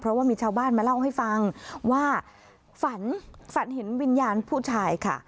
เพราะว่ามีชาวบ้านมาเล่าให้ฟังว่าฝันฝันเห็นวิญญาณผู้ชายค่ะ